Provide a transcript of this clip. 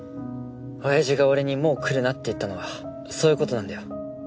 おやじが俺にもう来るなって言ったのはそういうことなんだよ。